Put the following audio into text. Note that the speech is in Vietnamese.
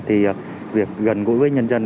thì việc gần gũi với nhân dân